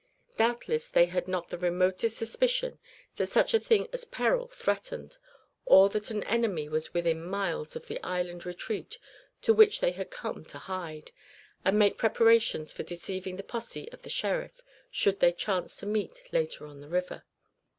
Doubtless they had not the remotest suspicion that such a thing as peril threatened, or that an enemy was within miles of the island retreat to which they had come to hide, and make preparations for deceiving the posse of the sheriff, should they chance to meet later on the river.